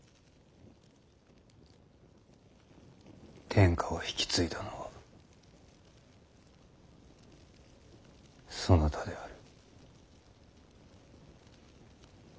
天下を引き継いだのはそなたである。